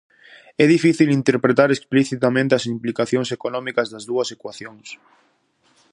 É difícil interpretar explicitamente as implicacións económicas das dúas ecuacións.